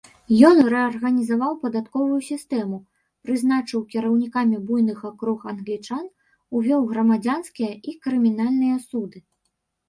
Ён рэарганізаваў падатковую сістэму, прызначыў кіраўнікамі буйных акруг англічан, увёў грамадзянскія і крымінальныя суды.